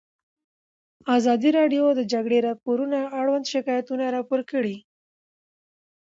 ازادي راډیو د د جګړې راپورونه اړوند شکایتونه راپور کړي.